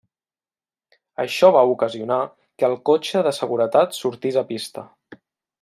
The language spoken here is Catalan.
Això va ocasionar que el cotxe de seguretat sortís a pista.